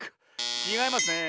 ちがいますねえ。